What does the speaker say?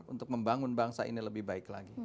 untuk membangun bangsa ini lebih baik lagi